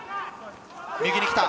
右に来た。